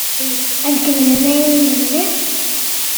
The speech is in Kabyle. Ad kemmlen ayen i d-bdan?